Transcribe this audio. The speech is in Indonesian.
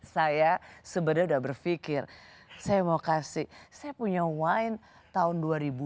saya sebenarnya sudah berpikir saya mau kasih saya punya wine tahun dua ribu dua